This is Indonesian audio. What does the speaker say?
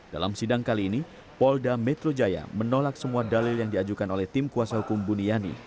dalam sidang kali ini polda metro jaya menolak semua dalil yang diajukan oleh tim kuasa hukum buniani